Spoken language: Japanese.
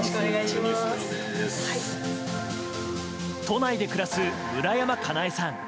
都内で暮らす村山茄奈依さん。